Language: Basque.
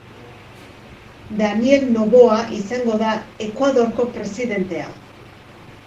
Daniel Noboa izango da Ekuadorko presidentea